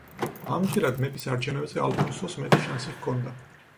ამჯერად მეფის არჩევნებზე ალფონსოს მეტი შანსი ჰქონდა.